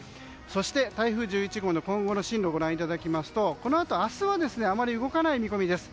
そして、台風１１号の今後の進路をご覧いただきますとこのあと、明日はあまり動かない見込みです。